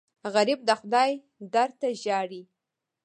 غریب د خدای در ته ژاړي